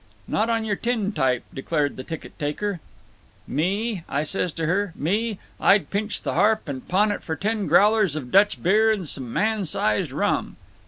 "Not on your tin type," declared the ticket taker. "'Me?' I says to her. 'Me? I'd pinch the harp and pawn it for ten growlers of Dutch beer and some man sized rum!